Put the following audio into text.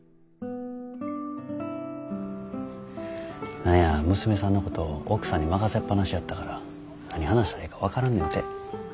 何や娘さんのこと奥さんに任せっぱなしやったから何話したらええか分からんねんて。